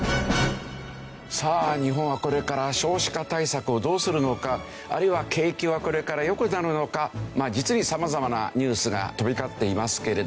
さあ日本はこれから少子化対策をどうするのかあるいは景気はこれから良くなるのか実に様々なニュースが飛び交っていますけれど。